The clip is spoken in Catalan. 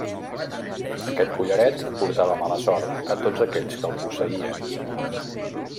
Aquest collaret portava mala sort a tots aquells que el posseïen.